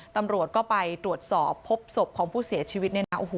ตำรวจตรวจสอบหัวศพพูดเสียชีวิต